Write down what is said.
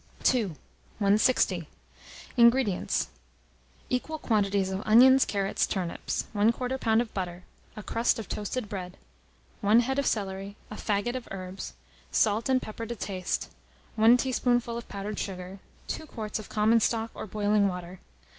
II. 160. INGREDIENTS. Equal quantities of onions, carrots, turnips; 1/4 lb. of butter, a crust of toasted bread, 1 head of celery, a faggot of herbs, salt and pepper to taste, 1 teaspoonful of powdered sugar, 2 quarts of common stock or boiling water.